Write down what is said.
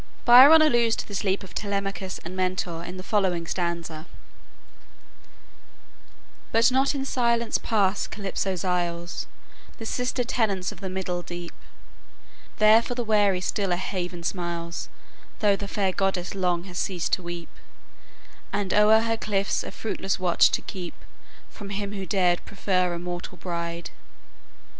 Byron alludes to this leap of Telemachus and Mentor in the following stanza: "But not in silence pass Calypso's isles, The sister tenants of the middle deep; There for the weary still a haven smiles, Though the fair goddess long has ceased to weep, And o'er her cliffs a fruitless watch to keep For him who dared prefer a mortal bride.